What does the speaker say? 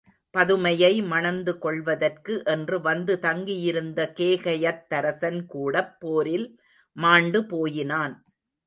பதுமையை மணந்து கொள்வதற்கு என்று வந்து தங்கியிருந்த கேகயத்தரசன்கூடப் போரில் மாண்டு போயினான்.